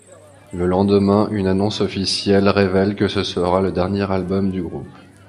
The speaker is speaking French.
Le lendemain, une annonce officielle révèle que ce sera le dernier album du groupe.